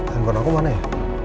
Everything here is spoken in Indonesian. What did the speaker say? anggota aku mana ya